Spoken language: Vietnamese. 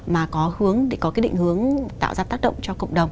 mà có hướng để có cái định hướng tạo ra tác động cho cộng đồng